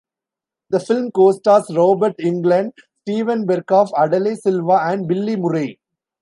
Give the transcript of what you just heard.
The film co-stars Robert Englund, Steven Berkoff, Adele Silva and Billy Murray.